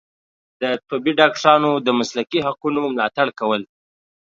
د طبي ډاکټرانو د مسلکي حقونو ملاتړ کول